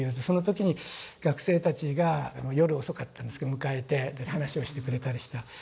その時に学生たちが夜遅かったんですけど迎えて話をしてくれたりした。